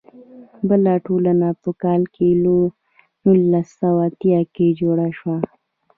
بله ټولنه په کال نولس سوه اتیا کې جوړه شوه.